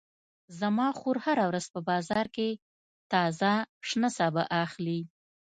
زما خور هره ورځ په بازار کې تازه شنه سابه اخلي